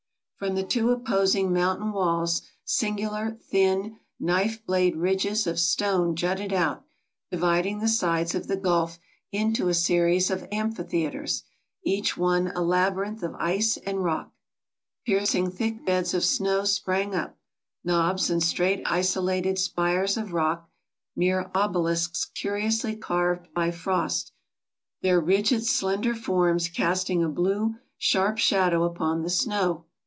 From the two opposing mountain walls singular, thin, knife blade ridges of stone jutted out, dividing the sides of the gulf into a series of amphitheaters, each one a labyrinth of ice and rock. Piercing thick beds of snow sprang up, knobs and straight isolated spires of rock, mere obelisks curiously carved by frost, their rigid slender forms casting a blue, sharp shadow upon the snow.